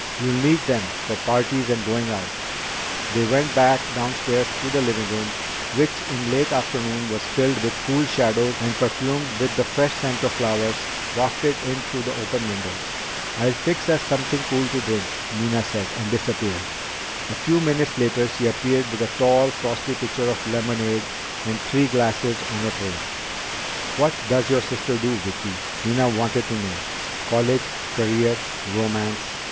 "You'll need them for parties and going out." They went back downstairs to the living room, which in late afternoon was filled with cool shadows and perfumed with the fresh scent of flowers wafted in through the open windows. "I'll fix us something cool to drink," Nina said, and disappeared. A few minutes later she reappeared with a tall, frosty pitcher of lemonade and three glasses on a tray. "What does your sister do, Vicki?" Nina wanted to know. "College? Career? Romance?"